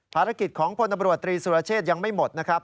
ภารกิจของพลตำรวจตรีสุรเชษยังไม่หมดนะครับ